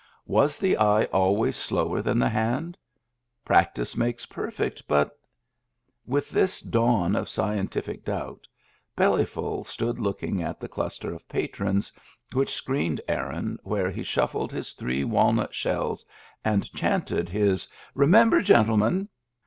Was the eye always slower than the hand ? Practice makes perfect, but —? With this dawn of scientific doubt Bellyful stood looking at the cluster of patrons which screened Aaron where he shuffled his three walnut shells and chanted his "Remember, gentlemen."